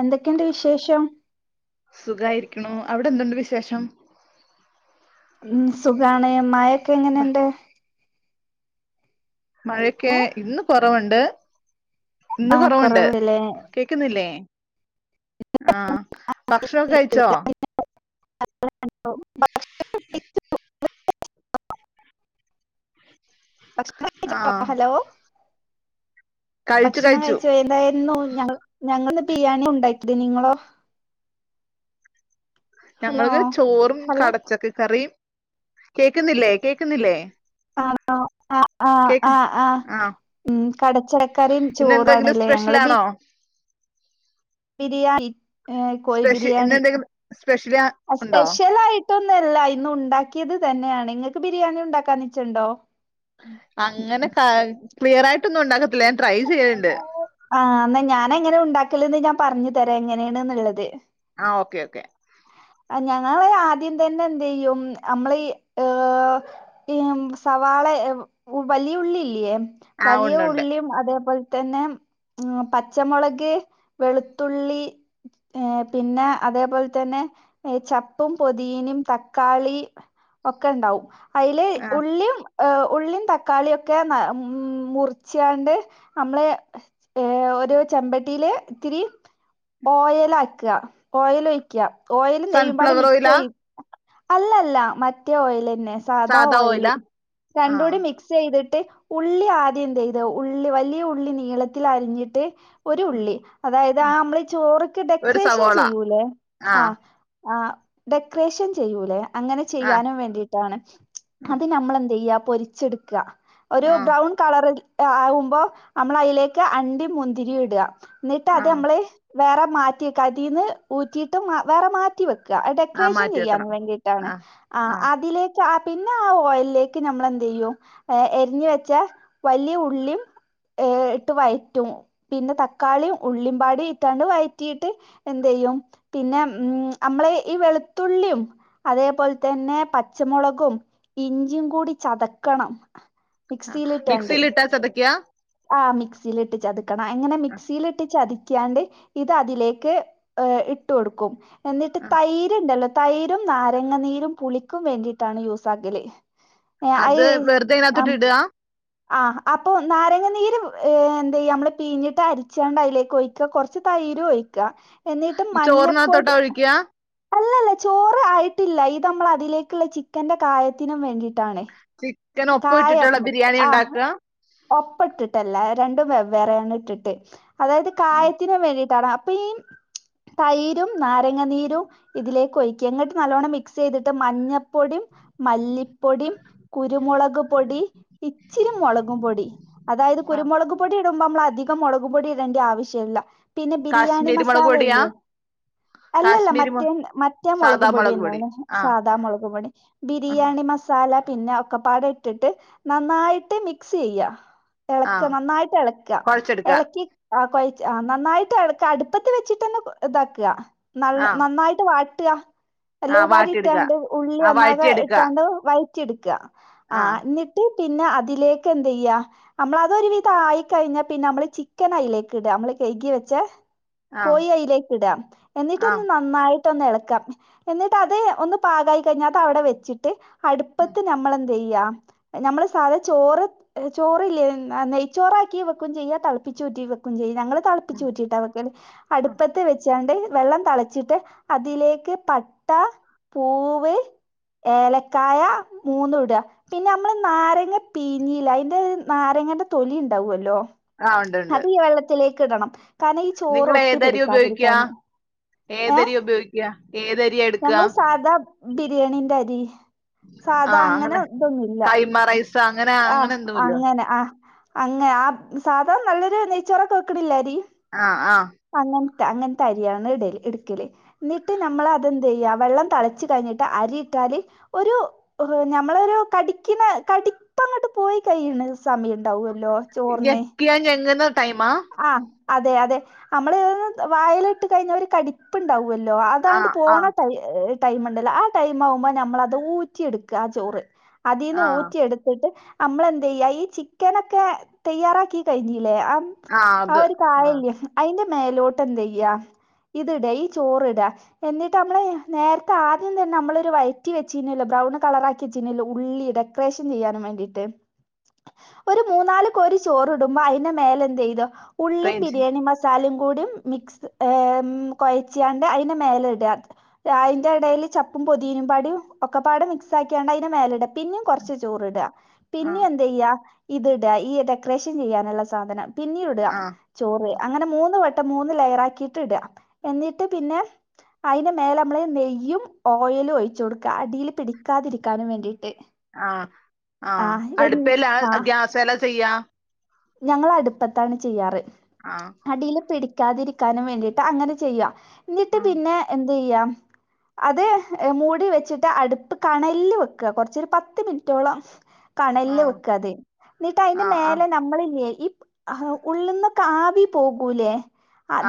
എന്തൊക്കെണ്ട് വിശേഷം സുഖായിരിക്കണു അവിടെന്തുണ്ട് വിശേഷം ഉം സുഖാണ് മായൊക്കെ എങ്ങനെണ്ട് മഴൊക്കെ ഹലോ ഇന്ന് കൊറവുണ്ട് ഇന്ന് ആഹ് കൊറവുണ്ട് കുറവില്ലേ കേക്ക്ന്നില്ലേ ആഹ് ഭക്ഷണൊക്കെ കഴിച്ചോ [inaudible] ആ [inaudible] ഹലോ കഴിച്ചു ഭക്ഷണം കഴിച്ചു കയ്ച്ചു എന്തായിരുന്നു ഞ ഞങ്ങൾന്ന് ബിരിയാണി ഉണ്ടാക്കിത് നിങ്ങളോ ഹലോ ഞങ്ങള്ത് ചോറും ഹലോ കടച്ചക്ക കറിയും കേക്ക്ന്നില്ലേ കേക്കാന്നില്ലേ ആഹ് ആഹ് ആഹ ആഹ് ആഹ് ആ ഉം കടച്ചക്കറിയും ഇന്ന് എന്തെങ്കിലും ചോറുവാണല്ലേ സ്പെഷ്യൽ ഞങ്ങള് ആണോ ബിരിയാണി ഏ കോഴ സ്പെഷ്യൽ ഇന്ന് ബിരിയാണി എന്തെങ്കിലും സ്പെഷ്യൽ ഉണ്ടോ സ്പെഷ്യൽ ആയിട്ട് ന്നല്ല ഇന്ന് ഉണ്ടാക്കിയത് തന്നെയാണ് നിങ്ങൾക്ക് ബിരിയാണി ഉണ്ടാക്കാന്ന്ച്ചുണ്ടോ അങ്ങനെ ക്ലിയർ ആയിട്ടൊന്നും ഉണ്ടാക്കത്തില്ല ഞാൻ ട്രൈ ചെയ്യലണ്ട് ആഹ എന്നാ ഞാന എങ്ങനെ ഉണ്ടാക്കില്ലന്ന് ഞാൻ പറഞ്ഞു തരാ എങ്ങനെയാണ്ന്നുള്ളത് ആഹ് ഓക്കേ ഓക്കെ ഞങ്ങള് ആദ്യം തന്നെ എന്ത് ചെയ്യും നമ്മള ഏഹ സവാള വലിയുള്ളില്ലയേ ആ വലിയ ഉണ്ട് ഉണ്ട് ഉള്ളിയും അതേപോലെ തന്നെ ഉ പച്ചമുളക് വെളുത്തുള്ളി ഏഹ് പിന്നെ അതേപോലെ തന്നെ ചപ്പും പൊതീനും തക്കാളി ഒക്കെ ഉണ്ടാവും അതിൽ ആ ഉള്ളിയും ഉള്ളും തക്കാളിയ ഒക്കെ ഉ മുറിച്ചാണ്ട് നമ്മള ഏഹ ഒരു ചെമ്പട്ടിയില് ഇത്തിരി ഓയൽ ആക്കുക ഓയൽ ഒഴിക്കുക ഓയിൽ നെയ്യുമ്പാട് സൺഫ്ലവർ മിക്സ് ഓയിലാ ചെയ അല്ലല്ല മറ്റേ ഓയിൽ തന്നെ സാധാ ഓയിൽ ആ രണ്ട കൂടി മിക് ചെയ്തിട്ട് ഉള്ളി ആദ്യം എന്ത് ചെയ്ത ഉള്ളി വലിയ ഉള്ളി നീളത്തിൽ അരിഞ്ഞിട്ട് ഒരു ഉം, ഉള്ളി അതായത് ആ നമ്മൾ ചോറ്ക്ക് ഒരു ഡെക്കറേഷൻ സവോള ചെയ്യൂല്ലേ ആ ആഹ് ആഹ് ഡെക്കറേഷൻ ചെയ്യൂലേ അങ്ങനെ ആഹ് ചെയ്യാനും വേണ്ടിട്ട് അത് നമ്മൾ എന്താ ചെയ്യ പൊരിച്ചെടുക്ക ആഹ് കളറി ആകുമ്പോ നമ്മൾ അതിലേക്ക് അണ്ടി മുന്തിരി ഇടുക എന്നിട്ട് അത് ആഹ് നമ്മള വേറെ മാറ്റി കതിന്ന് ഊറ്റിയിട്ടും വേറെ മാറ്റി വെക്ക ആഹ് ഡെക്കറേഷൻ മാറ്റി ചെയ്യൻ വെക്കണം വേണ്ടീട്ടാണ് ആഹ് ആഹ് അതിലേ പിന്നെ ആ ഓയിലിലേക്ക് നമ്മളെന്ത ചെയ്യും എരിഞ്ഞ വെച്ച വലിയ ഉള്ളിയും ഇട്ട് വയറ്റും പിന്നെ തക്കാളിയും ഉള്ളിമ്പാടും ഇട്ടാണ്ട് വഴറ്റിയിട്ട് എന്ത ചെയ്യും പിന്നെ ഉ നമ്മളെ ഈ വെളുത്തുള്ളിയും അതേപോലെ തന്നെ പച്ചമുളകും ഇഞ്ചിയും കൂടി ചതക്കണം ആഹ് മിക്സിൽട്ടണ്ടേ മിക്സിയിലിട്ടാ ചതയ്ക്കാ ആ മിക്സിൽട്ട് ചതുക്കണം എങ്ങനെ മിക്സിൽട്ട് ച ണ്ട് ഇത് അതിലേക്ക് ഇട്ട കൊടുക്കും എന്നിട്ട് തൈരുണ്ടല്ലോ തൈരും നാരങ്ങനീരും പുളിക്കും വേണ്ടിയിട്ടാണ് യൂസാക്കൽ ഏഹ് അത് വെറുതെ ഇതിനകത്തോട്ട് ആഹ് ഇടാ ആഹ് അപ്പൊ നാരങ്ങനീര് എന്തയ്യ നമ്മള് പീഞ്ഞിട്ട് അരിച്ചാണ്ട് അതിലേക്ക് ഒഴിക്കുക കുറച്ച് തൈര് ഒഴിക്കുക എന്നിട്ട് ചോറിനകത്തോട്ടാ മഞ്ഞപ്പോടി ഒഴിക്കാ അല്ലല്ല ചോറ് ആയിട്ടില്ല ഇത് നമ്മൾ അതിലേക്കുള്ള ചിക്കന്റെ കായത്തിനും വേണ്ടിയിട്ടാണ് ചിക്കൻ ഒപ്പ് ഇട്ടിട്ടുള്ള ബിരിയാണി ഉണ്ടാക്കുക ഒപ്പിട്ടിട്ടല്ല രണ്ടും വെവ്വറയണ ഇട്ടിട്ട് അതായത് കായത്തിന് വേണ്ടിട്ടാണ് അപ്പൊ ഈ തൈരും നാരങ്ങനീരും ഇതിലേക്ക് ഒഴക്കി ങ്ങിട്ട് നല്ലവണ്ണം മിക്സ് ചെയ്തിട്ട് മഞ്ഞപ്പൊടിയും മല്ലിപ്പൊടിയും കുരുമുളക് പൊടി ഇച്ചിരി മുളക് പൊടി അതായത് ആഹ് കുരുമു പ്പൊടി ഇടുമ്പോ നമ്മള അധികം മുളക് പൊടി ഇടേണ്ടി ആവശ്യമ ഇല്ല പിന്നെ ബിരിയാണി കാശ്മീരി മുളക് പൊടിയാ മസാലയല്ലേ അല്ലല്ല കാശ്മീരി മു മറ്റേ മറ്റേ സാദാ മുളകും പൊടി മുളക് എന്നാണ് ആഹ് സാധാ മുളകും പൊടി ആഹ് ബിരിയാണി മസ മസാല പിന്നെ ഒക്കെപാടട്ടിട്ട് നന്നായിട്ട് മിക്സ് ചെയ്യ ഇളക്ക ആഹ് നന്നായിട്ട് ഇളക്ക കൊഴച്ചെടുക്കാ ഇളക്കി ആഹ് കൊഴ ആ നന്നായിട്ട് ഇളക്ക അടുപ്പത്തി വെച്ചിട്ടെന്നെ ഇതാക്കുക ആഹ് നന്നായിട്ട് വാ ട്ട ആഹ് എല്ലുംപാടി വാട്ടിയെടുക്കാ ഇട്ടാണ്ട് ഉള്ളി ആഹ് ഒന്നാകെ വഴറ്റിയെടുക്കാ ഇട്ടാണ്ട് വയറ്റി എടുക്കുക ആഹ് എന്നിട്ട് പിന്നെ അതിലേക്ക് എന്ത് ചെയ്യ നമ്മള് അതൊരു വിധായി കഴിഞ്ഞാ പിന്നെ നമ്മള് ചിക്കൻ അയിലേക്ക് ഇടുക നമ്മള് കഴുകി വെച്ച ആഹ് കോഴി അയിലേക്ക് ഇടാ എന്നിട്ടൊന്ന് ആഹ് നന്നായി ട്ടൊന്നെളക്ക എന്നിട്ടത് ഒന്ന് പാകായി കഴിഞ്ഞാ അത് അവിടെ വെച്ചിട്ട് അടുപ്പത്ത് ഞമ്മളെ ചെയ്യാ നമ്മള് സാധ ചോറ് ചോറില്ലേ നെയ്ച്ചോറാക്കി വെക്കും ചെയ്യാ തിളപ്പിച്ചൂറ്റി വെക്കും ചെയ്യ ഞങ്ങള് ഉം തിളപ്പിച്ചൂറ്റിട്ട വെക്കല് ഉം അടുപ്പത്ത് വെച്ച് ച്ചാണ്ട് വെള്ളം തിളച്ചിട്ട് അതിലേക്ക് പട്ട, പൂവ് ഏലക്കായ മൂന്നും ഇടുക പിന്നെ നമ്മൾ നാരങ്ങ പീഞ്ഞില്ലേ അതിൻ്റെ നാരങ്ങൻ്റെ തൊലി ഉണ്ടാവല്ലോ ആഹ് ഉണ്ട് ഉണ്ട് അത് ഈ വെള്ളത്തിലേക്കിടണം കാരണം ഈ ചോറ് നിങ്ങള് ഒട്ടി ഏതരിയാ ഉപയോഗിക്കാ പിടിക്കാതിരിക്കാന് ഏഹ് ഏതരിയാ ഉപയോഗിക്ക ഏതരിയാ എടുക്ക ഞങ്ങള് സാധാ ബിരിയാണിന്റെ അരി സാധാ അങ്ങനെ ഇതൊന്നുല്ല കൈമ റൈസ് അങ്ങനെ അങ്ങനെ ആഹ് എന്തോല്ലോ അങ്ങനെ ആഹ് അങ്ങനെ ആ സാധ നല്ലൊരു നെയ്ച്ചോറൊക്കെ വെക്ക്ണില്ലേ അരി ആഹ് ആഹ് അങ്ങൻത്തെ അങ്ങൻത്തെ അരിയാണ് ഇടല് ഇട്ക്കല് എന്നിട്ട് നമ്മൾ അതെന്തെയ്യാ വെള്ളം തെളച്ച് കഴിഞ്ഞിട്ട് അരിയിട്ടാല് ഒരു ഞമ്മളൊരു കടിക്ക്ണ കടിപ്പങ്ങോട്ട് പോയി കഴിയ്ണ സമയം ഉണ്ടാവല്ലോ ചോറിന് ഞെക്കിയാൽ ഞെങ്ങ്ന്ന ടൈമാ ആഹ് അതെ അതെ നമ്മള് ഇത് വായലിട്ട് കഴിഞ്ഞ ഒരു കടി പ്പുണ്ടാവല്ലോ അതാണ്ട് ആഹ് ആഹ് പോണ ടൈ- ടൈം ഉണ്ടല്ലോ ആ ടൈം ആവുമ്പോ നമ്മളത് ഊറ്റിയെടുക്ക ആ ചോറ് അതിന്ന് ആഹ് ഊറ്റിയെടുത്തിട്ട് നമ്മളെന്തെയ്യ ഈ ചിക്കനൊക്കെ തയ്യാറാക്കി കഴിഞ്ഞില്ലേ ആഹ് ആ അത് ഒരു ആഹ് കായല്ല്യേ അതിന്റെ മേലോട്ട് എന്തെയ്യാ ഇത്ടാ ഈ ചോറി ഇടാ എന്നിട്ട് നമ്മള് നേരത്തെ ആദ്യം തന്നെ നമ്മള ഒരു വൈറ്റി വെച്ചില്ലോ ബ്രൗൺ കളറാക്കി വെച്ചിനല്ലോ ഉള്ളി ഇതൊക്കെ ഡെക്കറേഷൻ ചെയ്യാൻ വേണ്ടിട്ട് ഒരു മൂന്നാല് കോരി ചോറിടുമ്പോ അതിന്റെ മേലെന്തയ്തോ ഉള്ളിം റേഞ്ച് ബിരിയാണി മസാ സാലയും കൂടിയും മിക്സ് കൊഴച്ചാണ്ട് അതിന് മേലെ ഇടുക അതിന്റെ ഇടയിൽ ചപ്പും പൊതിനും പാടും ഒക്ക പാട് മിക്സ് ആക്ക്യാണ്ട് അയ്ൻ്റെ മേല ഇടുക പിന്നെയും കുറച്ച് ചോറ് ഇടുക ആഹ് പിന്നെയും എന്തെയ്യ ഇത്ട ഈ ഡെക്കറേഷൻ ചെയ്യാനുള്ള സാധനം പിന്നെയും ഇടുക ആഹ് ചോറ് അങ്ങനെ മൂന്ന് വട്ടം മൂന്ന് ലെയറാക്കിട്ട് ഇടുക എന്നിട്ട് പിന്നെ അതിൻ്റെ മേലെ നമ്മള് നെയ്യും ഓയലും ഒഴിച്ചു കൊടുക്ക അടിയിൽ പിടിക്കാതിരിക്കാനും വേണ്ടിട്ട് ആഹ് ആഹ് അടുപ്പേലോ ഗ്യാസേലോ ചെയ്യാ ഞങ്ങള് അടുപ്പത്താണ് ചെയ്യാറ് ആഹ് അടിയിൽ പിടിക്കാതിരിക്കാനും വേണ്ടിട്ട് അങ്ങനെ ചെയ്യാ എന്നിട്ട് ആഹ് പിന്നെ എന്തെയ്യാ അത് മൂടി വെച്ചിട്ട് അടുപ്പ് കണൽല്ല് വെക്ക കുറച്ച് ഒരു പത്ത് മിനിറ്റോളം കണൽല്ല് ആഹ് വെക്ക അത് എന്നിട്ട് അതിന്റെ ആഹ് ആഹ് മേലെ നമ്മൾ ഈ ഉള്ളിൽ നിന്നൊക്കെ ആവി പോകൂലേ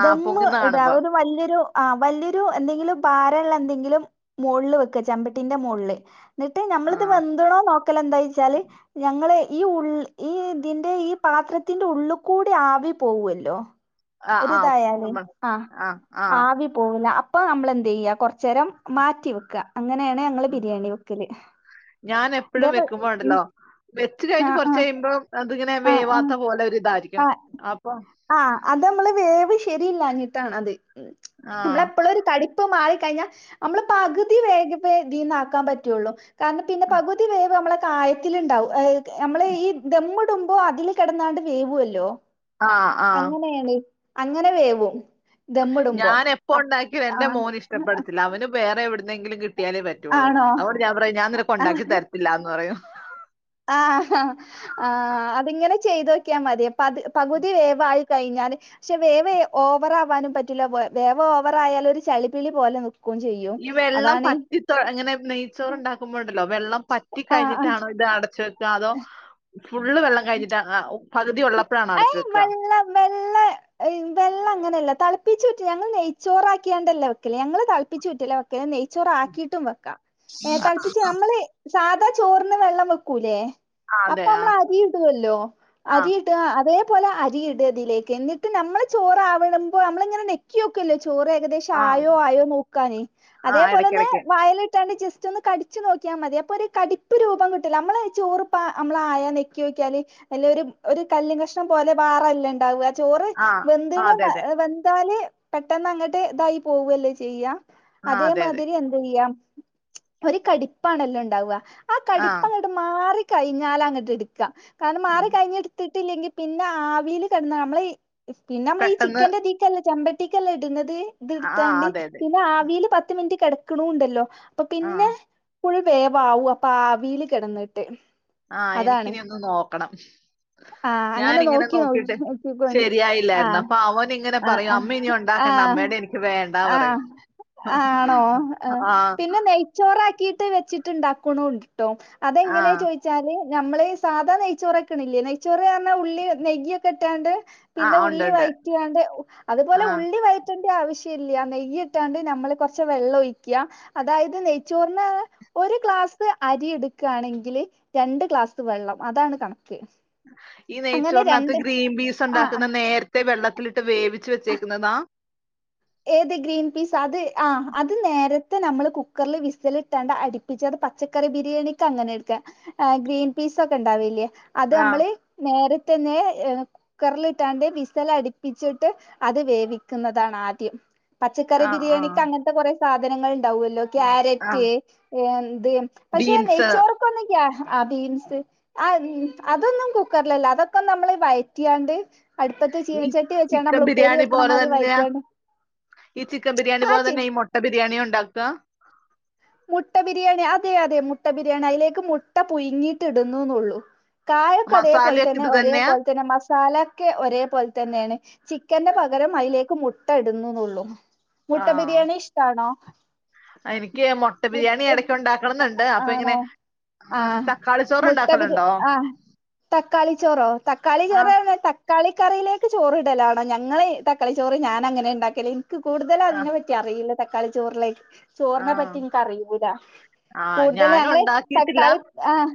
ആഹ് ദമ്മ് പൊങ്ങുന്ന ഇടാ കാണുമ്പോ ഒരു വല്യൊരു ആ വല്യൊരു എന്തെങ്കിലും ഭാരള്ള എന്തെങ്കിലും മോളില് വെക്ക ചെമ്പട്ടിന്റെ മോളില് എന്നിട്ട് ഞമ്മളിത് ആഹ് വെന്തതുണോ നോക്കല എന്താ വച്ചാല് ഞങ്ങള് ഈ ഉൾ ഈ ഇതിന്റെ ഈ പാത്രത്തിന്റെ ഉള്ള് കൂടി ആവി പോവല്ലോ ആഹ് ആഹ് ഒരുതായാല് നമ്മൾ ആഹ ആഹ് ആഹ് ആവി പോവൂല്ല ഇപ്പ നമ്മള എന്ത് ചെയ്യ കുറച്ച നേരം മാറ്റിവ വെക്കുക. അങ്ങനെണ് ഞാൻ എപ്പഴും ഇതേപോ വെക്കുമ്പോ ഉം ഉണ്ടല്ലോ വെച്ച് കഴിഞ്ഞ് ആഹ് കൊറച്ച് ആഹ് കഴിയുമ്പോം അതിങ്ങനെ ആഹ് വേവാത്ത പോലെ ഒരു ഇതായിരിക്കും അപ്പൊ ആ് അത് നമ്മള് വേവ് ശരിയില്ലഞ്ഞിട്ടാണ് അത് നമ്മള ആഹ്. എപ്പോഴും ഒരു തടി ഇപ്പ മാളിക്കഴിഞ്ഞാൽ നമ്മള് പകുതി വേഗ ഇതിീന്നാക്കാൻ പറ്റുള്ളു. കാരണം പിന്നെ പകുതി വേവ് നമ്മളെ കായത്തിലുണ്ടാവും നമ്മള് ഈ ദമ് ഇടുമ്പോ അതില് കിടന്നാണ്ട് വേവല്ലോ ആ ആ. അങ്ങനെയാണ് അങ്ങനെ വേവും. ദമ്മിടുമ്പോ ഞാൻ എപ്പോ അപ് ഉണ്ടാക്കി എൻ്റെ ആഹ് മോന് ഇഷ്ടപ്പെടത്തില്ല അവന് വേറെ എവിടുന്നെങ്കിലും കിട്ടിയാലേ പറ്റു. പറ്റുള്ളൂ ആണോ അതോണ്ട് ഞാൻ പറയും ഞാൻ നിനക് ഉണ്ടാക്കി തരത്തില്ല എന്ന് പറയും. ആഹ ആ ആ അതിങ്ങനെ ചെയ്തോക്കിയാൽ മതി. പ പകുതി വേവായി കഴിഞ്ഞാല് പക്ഷേ വേവ് ഓവറ ആവാനും പറ്റില്ല വേവ് ഓവറ ആയാല് ഒരു ചളിപ്പി പോലെ ന ക്കും ചെയ്യും അതാണ് എങ്ങനെ നെയ്ച്ചോറ് ഉണ്ടാക്കുമ്പോ ഉണ്ടല്ലോ വെള്ളം പറ്റി ആഹ് ആഹ് കഴിഞ്ഞിട്ടാണോ ഇത് അടച്ച് വെക്ക അതോ? ഫുള്ള് വെള്ളം കഴിഞ്ഞിട്ട് പകുതി ഉള്ളപ്പോഴാണ് അടച്ചു ഏയ് വെക്ക. [inaudible] വെള്ള വെള്ള ഏയ് വെള്ള അങ്ങനെയല്ല തളപ്പിചൂറ്റി ഞങ്ങൾ നെയ്ച്ചോറാക്കിയാണ്ടല്ല വെക്കല്, ഞങ്ങള് തെളപ്പിച്ചുറ്റല വെക്കല് നെയ്ച്ചോറ് ആക്കിയിട്ട്. ും വെക്കാം ഏ തളപ്പിച്ച് നമ്മള് സാധാ ചോറിന് വെള്ളം വെക്കൂല്ലേ ആ അതെ. അപ്പൊ ആ. നമ്മൾ അരിയിടുല്ലോ ആ. അരി അതേപലെ അരിയിടതിലേക്ക് എന്നിട്ട് നമ്മൾ ചോറവിടുമ്പോൾ നമ്മളിങ്ങനെ ഞെക്കിക്കല്ലോ ചോറ് ഏകദേശം. ആ. ആയോ ആയോ നോക്കാന് ആ അതേപോലെന്ന് ഇടയ്ക്കിടയ്ക്ക്. വായല ഇട്ടാണ്ട് ജസ്റ്റ് ഒന്ന് കടി വച്ച് നോക്കിയാൽ മതി അപ്പൊ ഒരു കടിപ്പ് രൂപം കിട്ടൂല്ല നമ്മള് ചോർപ്പാ നമ്മള് ആയാ നെക്കി നോക്കിയാല് അല്ല ഒരു ഒരു കല്ല് കഷ്ണം പോലെ വാറല്ല ഉണ്ടാവ ചോറ് ആ. ആ വെന്തിണ് അതെ അതെ. വെന്താല് പെട്ടന്ന് അങ്ങട്ട് ഇതായി പോവല്ലേ ചെയ്യാ ആ അതെ അതെ. അതേമാതിരി എന്ത ചെയ്യാ ഒരു കടിപ്പാണല്ലോ ഉണ്ടാവ ആ കടിപ്പ് അങ്ങോട്ട് മാറി കഴിഞ്ഞാല അങ്ങോട്ട് എടുക്കാം. കാരണം ഉം. മാറി കഴിഞ്ഞ എടുത്തിട്ടില്ലെങ്കിൽ പിന്നെ ആവിൽ കെട്ന്ന നമ്മളെ പിന്നെ നമ്മള ഈ പെട്ടെന്ന് ചിക്കന്റെ ല്ല ചെമ്പട്ടിക്കല്ലാം ഇടുന്നത് ആ ഇത്െടുത്താണ്ട് അതെ അതെ പിന്നെ ആവിൽ പത്ത് മിനിറ്റ് കിടക്കണുണ്ടല്ലോ. അപ്പൊ ആ പിന്നെ കുഴ വേവവും അപ്പൊ ആവിൽ കിടന്നിട്ട്. ആഹ അതാണ് എനിക്കിനി ഒന്ന് നോക്കണം ആ അങ്ങനെ ഞാനിങ്ങനെ നോക്കി നോക്കി നോക്കിട്ട് നോക്കിക്കോണ്ട് ആ ശരിയായില്ലായിരുന്നു അപ്പൊ അവൻ ഇങ്ങനെ ആ പറയും അമ്മ ഇനി ഉണ്ട ആ ഉണ്ടാക്കണ്ട ആ അമ്മയുടെ എനിക്ക് വേണ്ടാ ആഹ് പറയും. ആഹ ചോറാക്കിയിട്ട് വെച്ചിട്ടുണ്ടാക്കുണുണ്ട് ട്ടേ ആ അതെങ്ങനെ ചോ ച്ചാല് നമ്മള് സാധാ നെയ്ച്ചോറ് വെക്കണില്ലേ നെയ്ച്ചോറ് പറഞ്ഞാൽ ഉള്ളി നെയ്യിയൊക്കെ ഇട്ടാണ്ട് ആ പിന്നെ ഉണ്ട് ഉള്ളി ഉണ്ട് വഴറ്റാണ്ട് ആ അതുപോലെ ഉള്ളി വഴ ഇട്ടണ്ട ആവശ്യം ഇല്ല നെയ്യ് ഇട്ടാണ്ട് നമ്മള് കൊറ്ച്ച വെള്ളം ഒഴിക്ക അതായത് നെയ്ച്ചോറിന് ഒരു ഗ്ലാസ് അരി എടുക്കയാണെങ്കില് രണ്ട് ഗ്ലാസ് വെള്ളം അതാണ് കണക്ക്. ഈ അങ്ങനെ നെയ്ച്ചോറിനകത്ത് രണ്ട് ഗ്രീൻ പീസ് ആഹ് ഉണ്ടാക്കുന്ന നേരത്തെ വെള്ളത്തിലിട്ട് വേവിച്ച് വെച്ചേക്കുന്നതാ? ഏത് ഗ്രീൻ പീസ് അത് ആ അത് നേരത്തെ നമ്മള് കുക്കറിൽ വിസലിട്ടാണ്ട് അടി പ്പിച്ച അത് പച്ചക്കറി ബിരിയാണിക്ക് അങ്ങനെ എടുക്ക ഗ്രീൻ പീസ് ഒക്കെ ഉണ്ടാവല്ലേ അത് ആ നമ്മള് നേരത്ത തന്നെ ഏ കുക്കറൽഇട്ടാണ്ട് വിസൽ അടിപ്പിച്ചിട്ട് അത് വേവിക്കുന്നതാണ് ആദ്യം പച്ചക്കറി ആ ആ ബിരിയാണിക്ക് അങ്ങനത്തെ കുറെ സാധനങ്ങൾ ഉണ്ടാവല്ലോ ആ ക്യാരറ്റ് എന്ത് പക്ഷെ ബീൻസ് നെയ്ച്ചോർക്കൊന്നിക്കാ ആഹ ബീൻസ് ആഹ അതൊന്നും കുക്കറിലല്ല അതൊക്കെ നമ്മള് വയറ്റിയാണ്ട് അടുപ്പത്തെ ഈ ചീനച്ചട്ടി വെച്ചാണ് ചിക്കൻ നമ്മൾ ഉപ്പേ ബിരിയാണി വെക്കണ പോലെ മാതിരി തന്നെയാ വയറ്റയാണ് ഈ ചിക്കൻ ബിരിയാണി പോലെ തന്നെ ഈ മുട്ട ബിരിയാണിയ ഉണ്ടാക്കുക മുട്ട ബിരിയാണി അതെ അതെ മുട്ട ബിരിയാണി അതിലേക്ക് മുട്ട പുഴു ങ്ങിട്ട് ഇടുന്നു എന്നെള്ളു കായക്ക അതേ പോല മസാലയൊക്കെ തന്നെ ഇത് ഒരേ തന്നെയാ പോല തന്നെ മസ് സാല ഒക്കെ ഒരേപോലെ തന്നെയാണ് ചിക്കന്റെ പകരം അതിലേക്ക് മുട്ട ഇടുന്നുന്നള്ളു മുട്ട ആഹ് ബിരിയാണി ഇഷ്ടാണോ എനിക്ക് മുട്ട ബിരിയാണി ഇടക് ഉണ്ടാക്കണം എന്നുണ്ട് അപ്പൊ ഇങ്ങനെ ആണോ ആഹ ആഹ് തക്കാളി ചോറ് ഉണ്ടാക്കലുണ്ടോ തക്കളി ചോറോ തക്കാളി ചോർന്ന് ആഹ് പറഞ്ഞ കളിക്കറിയിലേക്ക് ചോറി ഇടലാണോ ഞങ്ങള്ൾ തക്കളി ചോറ് ഞാനൻങ്ങനെ ഉണ്ടാക്കിൽ എനിക്ക് കൂടുതല ആഹ് അതിനെറ്റ അറിയില്ല തക്കളി ചോറിലേക്ക് ചോറിനെ ആഹ് പറ്റി ആഹ് കൂടുതൽ ഞാനും ഞങ്ങളൊ ഉണ്ടാക്കിയിട്ടില്ല തക്കാളി ആഹ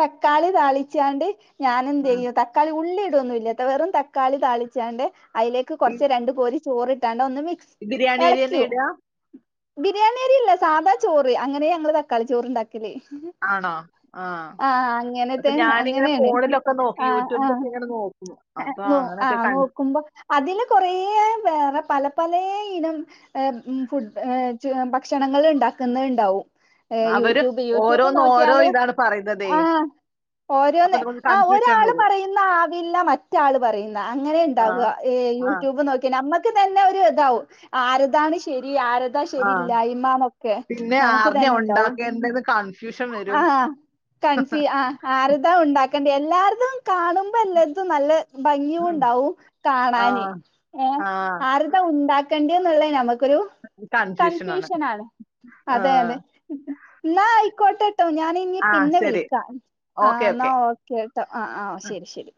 തക്കാളി താളിച്ചാണ്ട് ഞാൻ എന്ത് ആഹ് ചെയ്യും ത തക്കാളി ഉള്ളി ഇടൊന്നും ഇല്ല വെറും തക്കാള താളിച്ചാണ്ട് അതിലേക്ക് ഈ കുറച്ച് രണ്ടു പോര് ചോറിട്ട് കിട്ടാണ്ട ഒന്ന് മിക്സ് ബിരിയാണി അരി തന്നെ ഇളക്കോ ഇടാ ബിരിയാണി അരില്ല സാധാ ചോറ് അങ്ങനെ ഞങ്ങൾ തക്കാലി ചോറ്ണ്ടാക്കല് ആണോ ആഹ് ആഹ അപ്പൊ അങ്ങനത്തെ ഞാനിങ്ങനെ അങ്ങനെയാണ് ഫോണിലൊക്കെ നോക്കി ആഹ ആഹ യൂട്യൂബിലൊക്കെ ഇങ്ങനെ നോക്കും ആഹ അപ്പൊ നോ അങ്ങനൊക്കെ ആഹ കൺ നോക്കുമ്പോ അതില് കൊറേ വേറെ പല പല ഇനം ഫുഡ് ഭക്ഷണങ്ങൾ ഉണ്ടാക്കുന്നത് ഉണ്ടാവും ഏ അവര് യൂട്യൂബ് യൂട്യൂബ് ഓരോന്ന് ഓരോ നോക്കിയാല് ഇതാണ് പറയുന്നതേ ആഹ അപ്പൊ ഓരോന്ന് നമുക്ക് ആഹ കൺഫ്യൂഷൻ ഒരാള് വരും പറയുന്ന ആവില്ല മറ്റാള് പറയുന്ന അങ്ങനെ ഉണ്ടാവുക ആഹ് ഏ ആഹ് യൂട്യൂബ് നോക്കി നമ്മുക്ക് തന്നെ ഒരു ഇതാവും ആരതാണ് ശരി ആരതാ ആഹ് ശരിയിലായിമ പിന്നെ ആർദ്യ ഉണ്ടാക്കേണ്ടെന്ന് കാണ ആഹ കൺഫി ആഹ ആര്താ ഉണ്ടാക്കേണ്ടി എല്ലാവർതും കാണുമ്പോ എല്ലാതും നല്ല ഭംഗിയണ്ടാവും കാണാന് ആഹ് ഏ ആഹ് ആരുടെ ഉണ്ടാക്ക ക്കണ്ടിന്നുള്ള നമുക്കൊരു കൺഫ്യൂഷനാണ് കൺഫ്യൂഷൻ ആണ് ആ അതെ അതെ ക്കോട്ടെ കേട്ടോ ഞാന ഇനി ആ പിന്നെ ശരി വിളിക്കാം ആഹ എന്നാൽ ഓക്കെ ട്ടോ ആഹ ആഹ ശരി ശരി